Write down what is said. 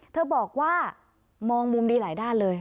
เธอบอกว่ามองมุมดีหลายด้านเลย